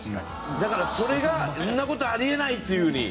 だからそれがそんな事あり得ないっていうふうに。